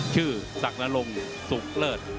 ชื่อสักนรงสุกเลิศ